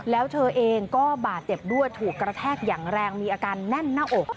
แล้วเธอเองก็บาดเจ็บด้วยถูกกระแทกอย่างแรงมีอาการแน่นหน้าอก